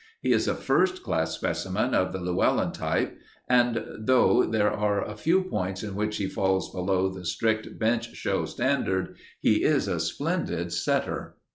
He is a first class specimen of the Llewellyn type, and though there are a few points in which he falls below the strict bench show standard, he is a splendid setter.